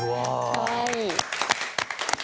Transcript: かわいい。